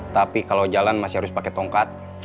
tapi kalau jalan masih harus pakai tongkat